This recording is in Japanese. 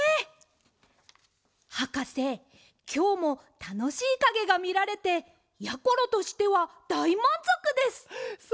はかせきょうもたのしいかげがみられてやころとしてはだいまんぞくです！